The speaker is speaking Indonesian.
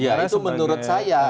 ya itu menurut saya